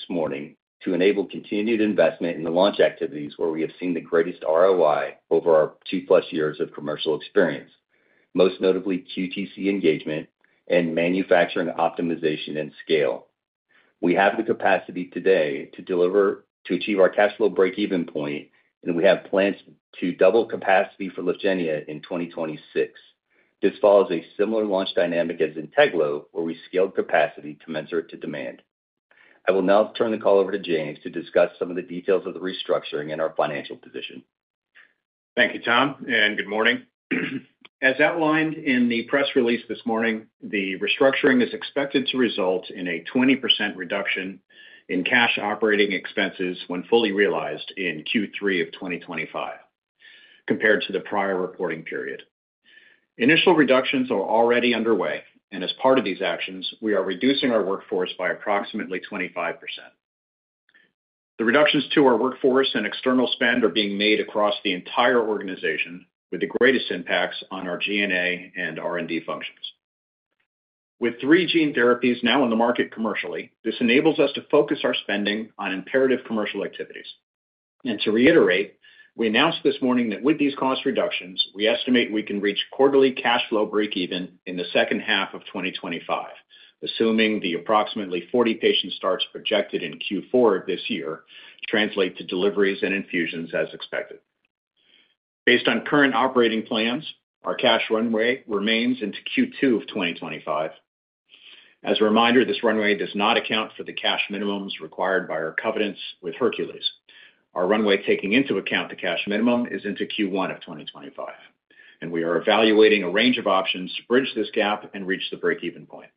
This morning to enable continued investment in the launch activities where we have seen the greatest ROI over our 2+ years of commercial experience, most notably QTC engagement and manufacturing optimization and scale. We have the capacity today to achieve our cash flow breakeven point, and we have plans to double capacity for Lyfgenia in 2026. This follows a similar launch dynamic as Zynteglo, where we scaled capacity to commensurate to demand. I will now turn the call over to James to discuss some of the details of the restructuring and our financial position. Thank you, Tom, and good morning. As outlined in the press release this morning, the restructuring is expected to result in a 20% reduction in cash operating expenses when fully realized in Q3 of 2025, compared to the prior reporting period. Initial reductions are already underway, and as part of these actions, we are reducing our workforce by approximately 25%. The reductions to our workforce and external spend are being made across the entire organization, with the greatest impacts on our G&A and R&D functions. With three gene therapies now in the market commercially, this enables us to focus our spending on imperative commercial activities. To reiterate, we announced this morning that with these cost reductions, we estimate we can reach quarterly cash flow breakeven in the second half of 2025, assuming the approximately 40 patient starts projected in Q4 of this year translate to deliveries and infusions as expected. Based on current operating plans, our cash runway remains into Q2 of 2025. As a reminder, this runway does not account for the cash minimums required by our covenants with Hercules. Our runway, taking into account the cash minimum, is into Q1 of 2025, and we are evaluating a range of options to bridge this gap and reach the breakeven point.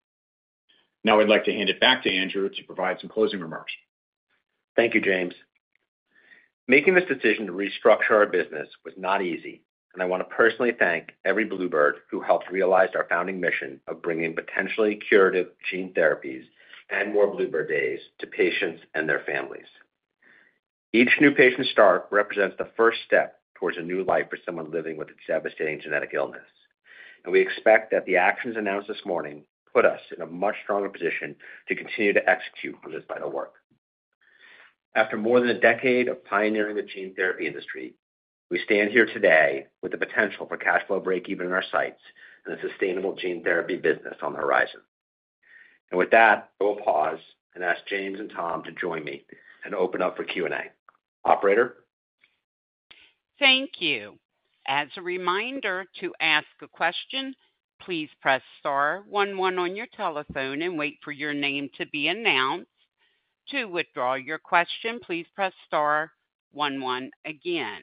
Now, I'd like to hand it back to Andrew to provide some closing remarks. Thank you, James. Making this decision to restructure our business was not easy, and I want to personally thank every Bluebird who helped realize our founding mission of bringing potentially curative gene therapies and more Bluebird days to patients and their families. Each new patient start represents the first step towards a new life for someone living with a devastating genetic illness, and we expect that the actions announced this morning put us in a much stronger position to continue to execute on this vital work. After more than a decade of pioneering the gene therapy industry, we stand here today with the potential for cash flow breakeven in our sights and a sustainable gene therapy business on the horizon, and with that, we'll pause and ask James and Tom to join me and open up for Q&A. Operator? Thank you. As a reminder, to ask a question, please press star one one on your telephone and wait for your name to be announced. To withdraw your question, please press star one one again.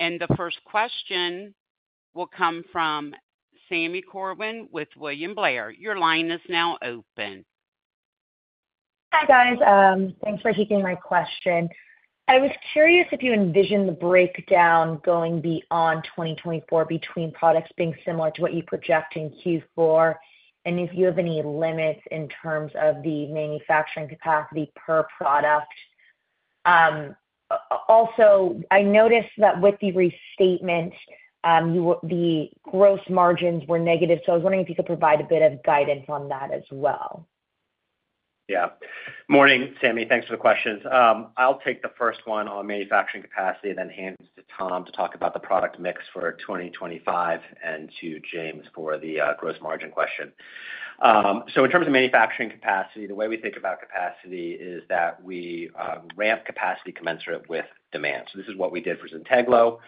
And the first question will come from Sami Corwin with William Blair. Your line is now open. Hi, guys. Thanks for taking my question. I was curious if you envision the breakdown going beyond 2024 between products being similar to what you project in Q4, and if you have any limits in terms of the manufacturing capacity per product. Also, I noticed that with the restatement, the gross margins were negative, so I was wondering if you could provide a bit of guidance on that as well. Yeah. Morning, Sami. Thanks for the questions. I'll take the first one on manufacturing capacity, then hand it to Tom to talk about the product mix for 2025 and to James for the, gross margin question. So in terms of manufacturing capacity, the way we think about capacity is that we, ramp capacity commensurate with demand. So this is what we did for Zynteglo.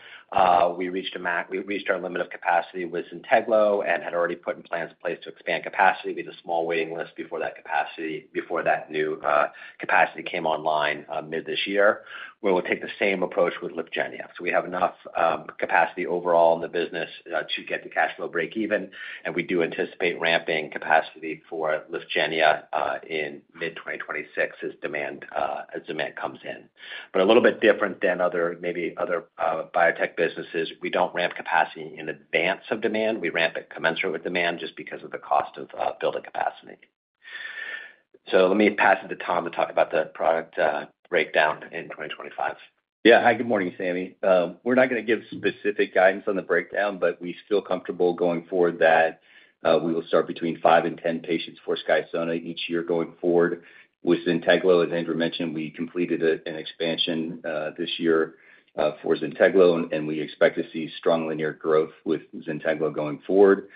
We reached our limit of capacity with Zynteglo and had already put in plans in place to expand capacity, with a small waiting list before that capacity, before that new, capacity came online, mid this year, where we'll take the same approach with Lyfgenia. So we have enough capacity overall in the business to get to cash flow breakeven, and we do anticipate ramping capacity for Lyfgenia in mid-2026 as demand comes in. But a little bit different than other, maybe other, biotech businesses, we don't ramp capacity in advance of demand. We ramp it commensurate with demand just because of the cost of building capacity. So let me pass it to Tom to talk about the product breakdown in 2025. Yeah. Hi, good morning, Sami. We're not going to give specific guidance on the breakdown, but we feel comfortable going forward that we will start between five and ten patients for Skysona each year going forward. With Zynteglo, as Andrew mentioned, we completed an expansion this year for Zynteglo, and we expect to see strong linear growth with Zynteglo going forward.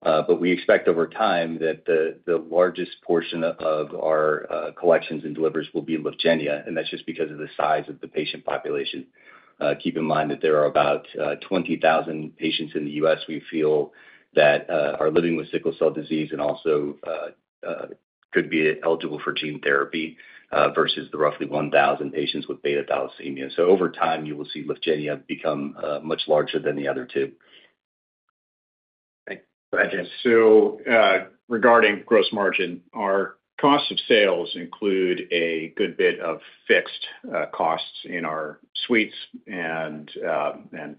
But we expect over time that the largest portion of our collections and deliveries will be Lyfgenia, and that's just because of the size of the patient population. Keep in mind that there are about 20,000 patients in the U.S., we feel, that are living with sickle cell disease and also could be eligible for gene therapy versus the roughly one thousand patients with beta-thalassemia. Over time, you will see Lyfgenia become much larger than the other two. Go ahead, James. So, regarding gross margin, our cost of sales include a good bit of fixed costs in our suites and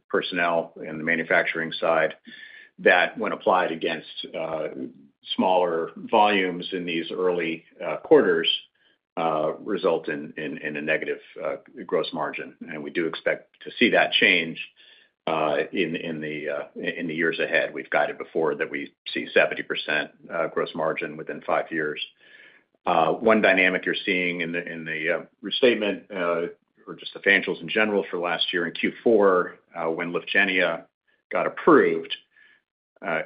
personnel in the manufacturing side that when applied against smaller volumes in these early quarters result in a negative gross margin, and we do expect to see that change in the years ahead. We've guided before that we see 70% gross margin within five years. One dynamic you're seeing in the restatement or just the financials in general for last year in Q4, when Lyfgenia got approved,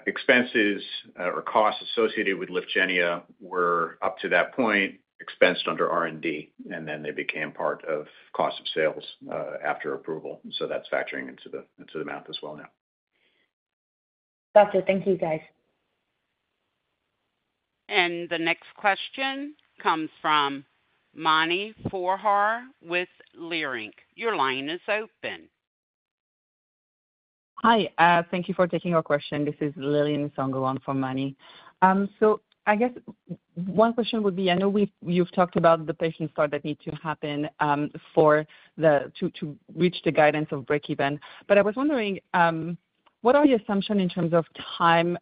expenses or costs associated with Lyfgenia were up to that point expensed under R&D, and then they became part of cost of sales after approval. So that's factoring into the math as well now. Gotcha. Thank you, guys. And the next question comes from Mani Foroohar with Leerink. Your line is open. Hi, thank you for taking our question. This is Lillian Shang for Mani. So I guess one question would be, I know you've talked about the patient start that need to happen, for to reach the guidance of breakeven. But I was wondering, what are your assumption in terms of time,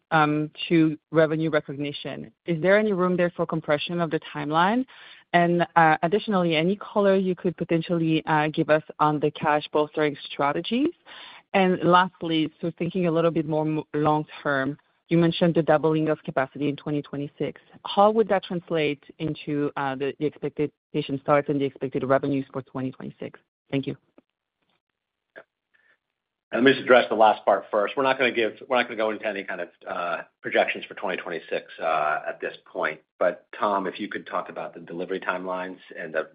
to revenue recognition? Is there any room there for compression of the timeline? And, additionally, any color you could potentially, give us on the cash bolstering strategies? And lastly, so thinking a little bit more long term, you mentioned the doubling of capacity in 2026. How would that translate into, the expected patient starts and the expected revenues for 2026? Thank you. Let me just address the last part first. We're not gonna go into any kind of projections for 2026 at this point. But Tom, if you could talk about the delivery timelines and the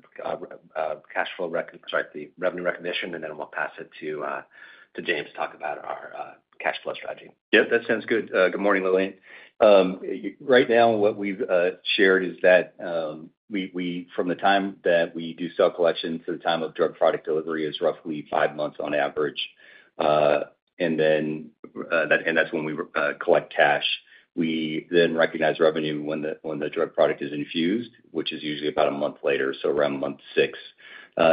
cash flow, sorry, the revenue recognition, and then we'll pass it to James to talk about our cash flow strategy. Yeah, that sounds good. Good morning, Lillian. Right now, what we've shared is that from the time that we do cell collection to the time of drug product delivery is roughly five months on average, and then that's when we collect cash. We then recognize revenue when the drug product is infused, which is usually about a month later, so around month six.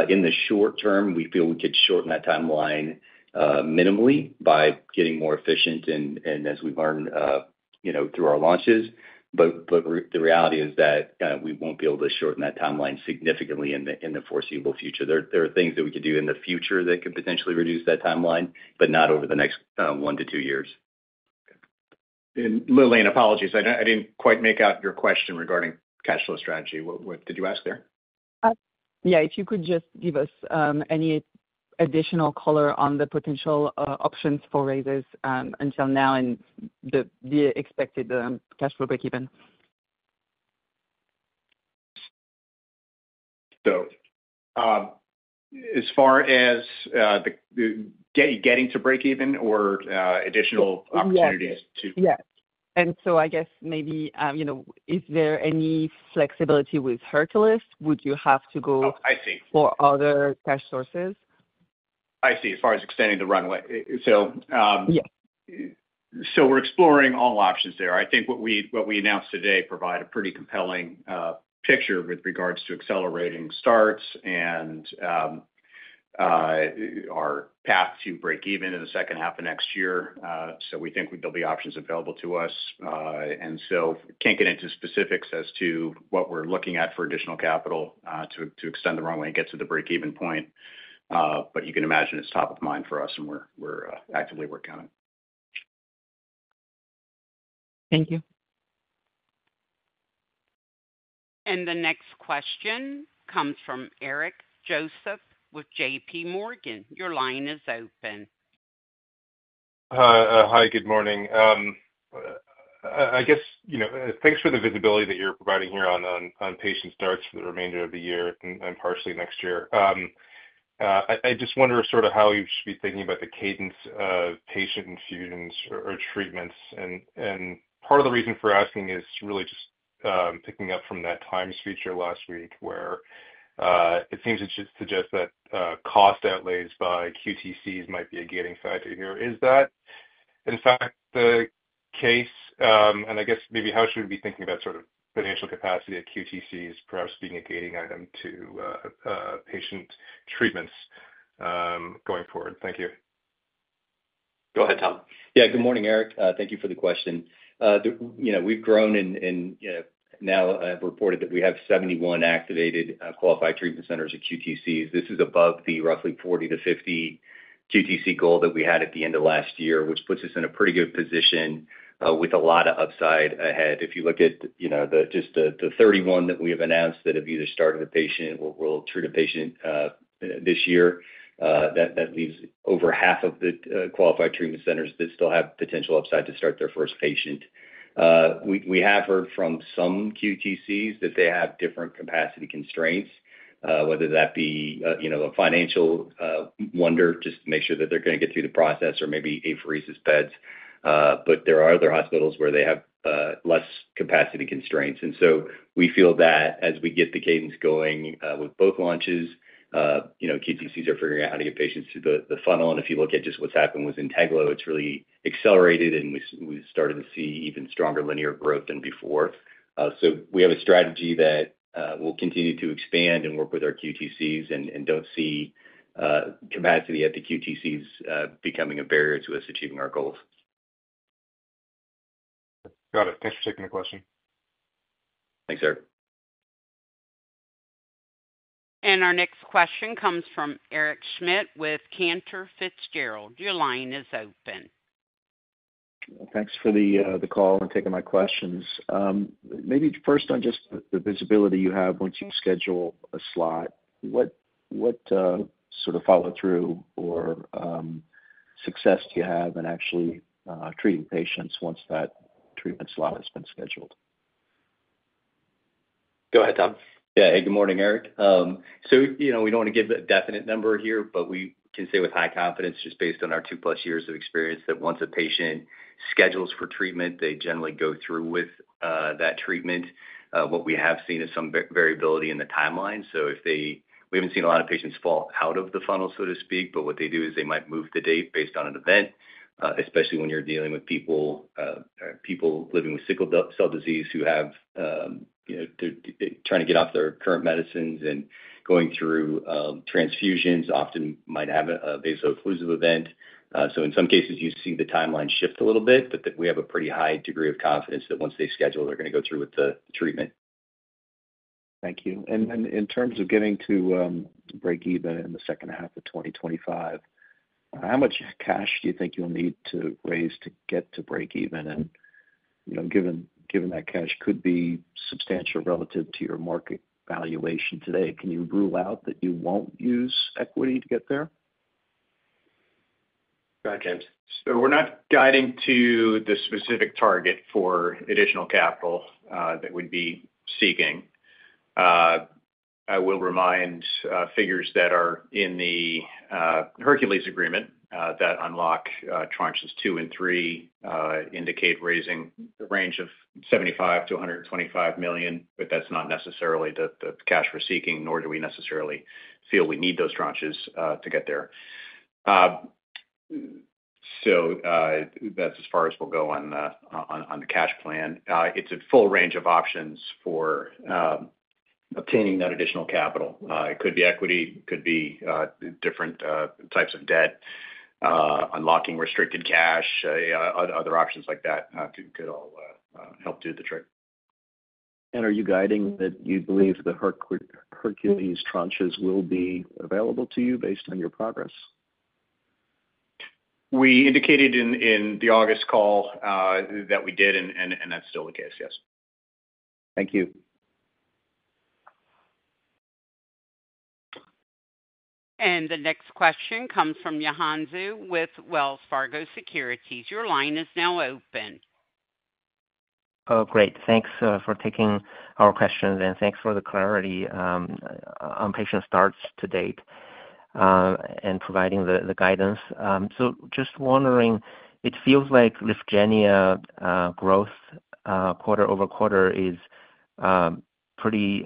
In the short term, we feel we could shorten that timeline minimally by getting more efficient and as we learn, you know, through our launches. The reality is that we won't be able to shorten that timeline significantly in the foreseeable future. There are things that we could do in the future that could potentially reduce that timeline, but not over the next one to two years. Lillian, apologies, I didn't quite make out your question regarding cash flow strategy. What did you ask there? Yeah, if you could just give us any additional color on the potential options for raises until now and the expected cash flow breakeven. As far as the getting to breakeven or additional opportunities to- Yes, yes. And so I guess maybe, you know, is there any flexibility with Hercules? Would you have to go.. Oh, I see. For other cash sources? I see, as far as extending the runway. Yeah So we're exploring all options there. I think what we announced today provide a pretty compelling picture with regards to accelerating starts and our path to breakeven in the second half of next year. So we think there'll be options available to us. And so can't get into specifics as to what we're looking at for additional capital to extend the runway and get to the breakeven point. But you can imagine it's top of mind for us, and we're actively working on it. Thank you. The next question comes from Eric Joseph with JPMorgan. Your line is open. Hi, good morning. I guess, you know, thanks for the visibility that you're providing here on patient starts for the remainder of the year and partially next year. I just wonder sort of how you should be thinking about the cadence of patient infusions or treatments. And part of the reason for asking is really just picking up from that Times feature last week, where it seems to suggest that cost outlays by QTCs might be a gating factor here. Is that, in fact, the case? And I guess maybe how should we be thinking about sort of financial capacity at QTCs, perhaps being a gating item to patient treatments going forward? Thank you. Go ahead, Tom. Yeah, good morning, Eric. Thank you for the question. You know, we've grown and now have reported that we have 71 activated qualified treatment centers or QTCs. This is above the roughly 40-50 QTC goal that we had at the end of last year, which puts us in a pretty good position with a lot of upside ahead. If you look at, you know, the 31 that we have announced that have either started a patient or will treat a patient this year, that leaves over half of the qualified treatment centers that still have potential upside to start their first patient. We, we have heard from some QTCs that they have different capacity constraints, whether that be, you know, a financial worry, just to make sure that they're gonna get through the process or maybe apheresis beds, but there are other hospitals where they have less capacity constraints. And so we feel that as we get the cadence going with both launches, you know, QTCs are figuring out how to get patients through the funnel. And if you look at just what's happened with Zynteglo, it's really accelerated, and we've started to see even stronger linear growth than before. So we have a strategy that will continue to expand and work with our QTCs and don't see capacity at the QTCs becoming a barrier to us achieving our goals... Got it. Thanks for taking the question. Thanks, sir. And our next question comes from Eric Schmidt with Cantor Fitzgerald. Your line is open. Thanks for the call and taking my questions. Maybe first on just the visibility you have once you schedule a slot, what sort of follow-through or success do you have in actually treating patients once that treatment slot has been scheduled? Go ahead, Tom. Yeah. Hey, good morning, Eric. So, you know, we don't want to give a definite number here, but we can say with high confidence, just based on our 2+ years of experience, that once a patient schedules for treatment, they generally go through with that treatment. What we have seen is some variability in the timeline. We haven't seen a lot of patients fall out of the funnel, so to speak, but what they do is they might move the date based on an event, especially when you're dealing with people living with sickle cell disease who have, you know, they're trying to get off their current medicines and going through transfusions often might have a vaso-occlusive event. In some cases, you see the timeline shift a little bit, but we have a pretty high degree of confidence that once they schedule, they're going to go through with the treatment. Thank you. And in terms of getting to break even in the second half of 2025, how much cash do you think you'll need to raise to get to break even? And, you know, given that cash could be substantial relative to your market valuation today, can you rule out that you won't use equity to get there? Go ahead, James. We're not guiding to the specific target for additional capital that we'd be seeking. I will remind figures that are in the Hercules agreement that unlock tranches two and three indicate raising the range of $75 million-$125 million, but that's not necessarily the cash we're seeking, nor do we necessarily feel we need those tranches to get there. That's as far as we'll go on the cash plan. It's a full range of options for obtaining that additional capital. It could be equity, it could be different types of debt, unlocking restricted cash, other options like that could all help do the trick. Are you guiding that you believe the Hercules tranches will be available to you based on your progress? We indicated in the August call that we did, and that's still the case, yes. Thank you. The next question comes from Yanan Zhu with Wells Fargo Securities. Your line is now open. Oh, great. Thanks for taking our questions, and thanks for the clarity on patient starts to date and providing the guidance. So just wondering, it feels like Lyfgenia growth quarter-over-quarter is pretty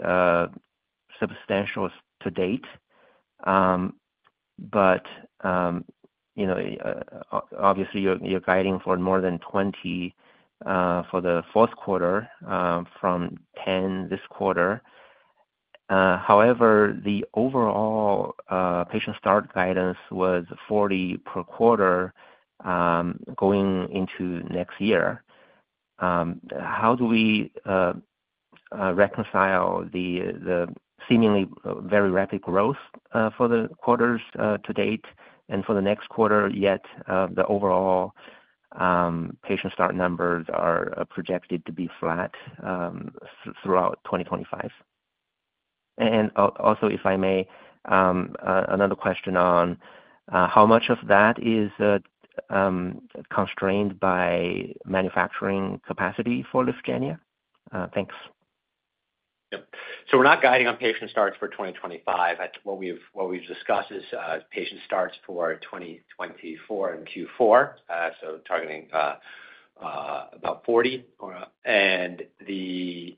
substantial to date. But you know obviously you're guiding for more than 20 for the fourth quarter from 10 this quarter. However, the overall patient start guidance was 40 per quarter going into next year. How do we reconcile the seemingly very rapid growth for the quarters to date and for the next quarter, yet the overall patient start numbers are projected to be flat throughout 2025? Also, if I may, another question on how much of that is constrained by manufacturing capacity for Lyfgenia? Thanks. Yep. So we're not guiding on patient starts for 2025. At what we've discussed is patient starts for 2024 in Q4. So targeting about 40, and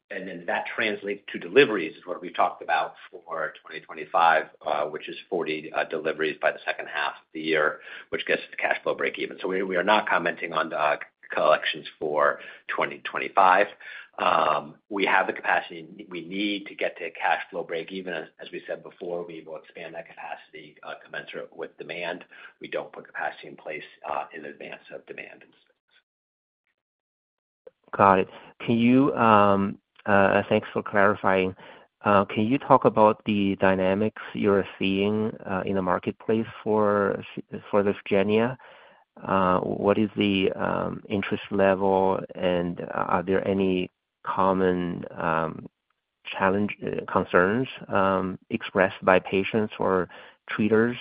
then that translates to deliveries, is what we've talked about for 2025, which is 40 deliveries by the second half of the year, which gets us to cash flow break even. So we are not commenting on the collections for 2025. We have the capacity we need to get to a cash flow break even. As we said before, we will expand that capacity commensurate with demand. We don't put capacity in place in advance of demand. Got it. Can you... Thanks for clarifying. Can you talk about the dynamics you're seeing in the marketplace for Lyfgenia? What is the interest level, and are there any common concerns expressed by patients or treaters,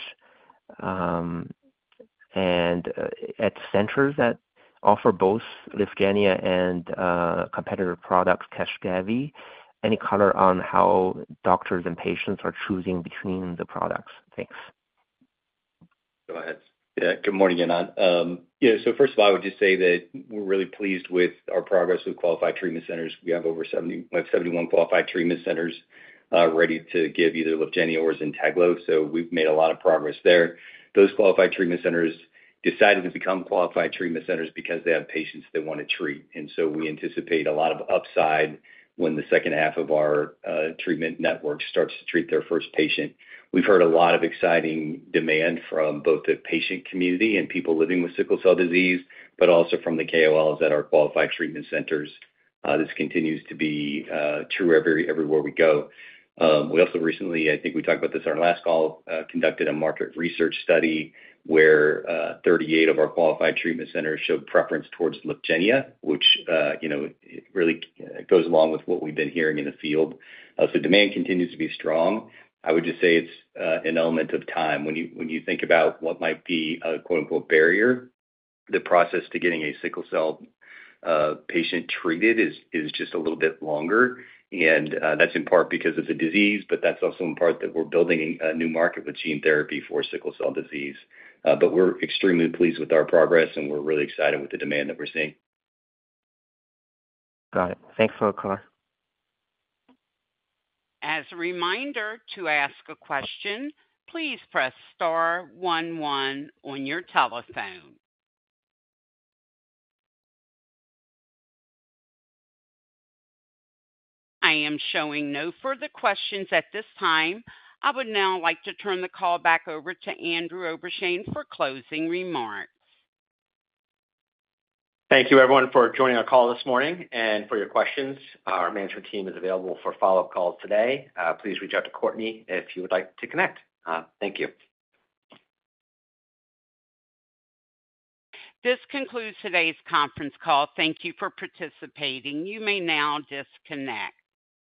and at centers that offer both Lyfgenia and competitor products, Casgevy? Any color on how doctors and patients are choosing between the products? Thanks. Go ahead. Yeah. Good morning again, so first of all, I would just say that we're really pleased with our progress with qualified treatment centers. We have seventy-one qualified treatment centers ready to give either Lyfgenia or Zynteglo, so we've made a lot of progress there. Those qualified treatment centers decided to become qualified treatment centers because they have patients they want to treat, and so we anticipate a lot of upside when the second half of our treatment network starts to treat their first patient. We've heard a lot of exciting demand from both the patient community and people living with sickle cell disease, but also from the KOLs at our qualified treatment centers. This continues to be true everywhere we go. We also recently, I think we talked about this on our last call, conducted a market research study where 38 of our qualified treatment centers showed preference towards Lyfgenia, which, you know, really goes along with what we've been hearing in the field. So demand continues to be strong. I would just say it's an element of time. When you think about what might be a quote-unquote "barrier," the process to getting a sickle cell patient treated is just a little bit longer. That's in part because of the disease, but that's also in part that we're building a new market with gene therapy for sickle cell disease. But we're extremely pleased with our progress, and we're really excited with the demand that we're seeing. Got it. Thanks for the call. As a reminder, to ask a question, please press star one one on your telephone. I am showing no further questions at this time. I would now like to turn the call back over to Andrew Obenshain for closing remarks. Thank you, everyone, for joining our call this morning and for your questions. Our management team is available for follow-up calls today. Please reach out to Courtney if you would like to connect. Thank you. This concludes today's conference call. Thank you for participating. You may now disconnect.